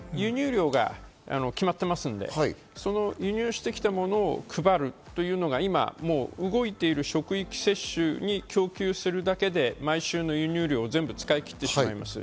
ただ輸入量が決まっていますので、輸入してきたものを配るというのが、今、動いてる職域接種に供給するだけで毎週の輸入量を全部使い切ってしまいます。